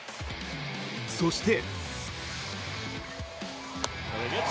そして。